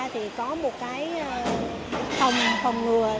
thì có một phòng ngừa về phòng cháy chữa cháy cũng như cứu hộ cứu nạn